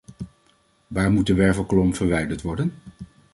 Waar moet de wervelkolom verwijderd worden?